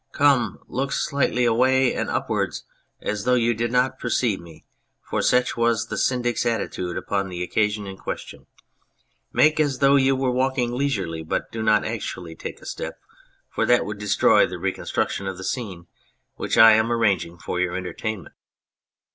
Come, look slightly away and upwards as though you did not perceive me, for such was the Syndic's atti tude upon the occasion in question. Make as though you were walking leisurely, but do not actually take a step, for that would destroy the 192 The Brigand of Radicofani reconstruction of the scene which I am arranging for your entertainment."